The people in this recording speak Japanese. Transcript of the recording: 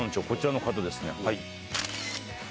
こちらの方ですね。